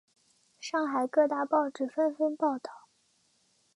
上海各大报纸纷纷报道。